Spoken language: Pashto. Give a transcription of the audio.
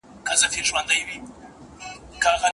د کلتورونو توافق نه درلودل ښه نه دي.